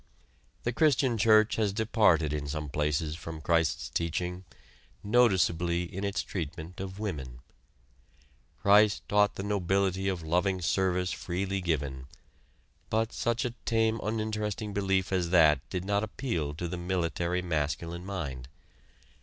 The Christian Church has departed in some places from Christ's teaching noticeably in its treatment of women. Christ taught the nobility of loving service freely given; but such a tame uninteresting belief as that did not appeal to the military masculine mind.